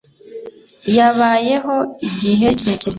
yabayeho igihe kirekire